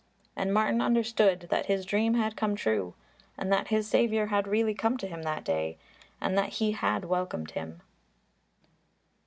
And Martin understood that his dream had come true and that his Saviour had really come to him that day, and that he had welcomed Him.